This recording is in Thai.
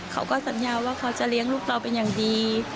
เขาก็สัญญาว่าเขาจะเลี้ยงลูกเราเป็นอย่างดี